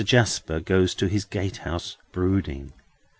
Jasper goes to his gatehouse, brooding.